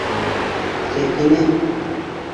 Сәкинә